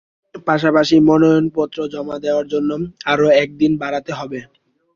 পাশাপাশি মনোনয়নপত্র জমা দেওয়ার জন্য আরও এক দিন বাড়াতে হবে।